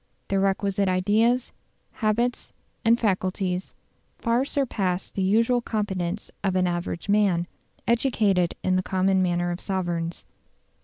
The requisite ideas, habits, and faculties, far surpass the usual competence of an average man, educated in the common manner of sovereigns.